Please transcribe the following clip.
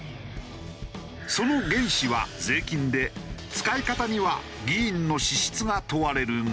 その原資は税金で使い方には議員の資質が問われるが。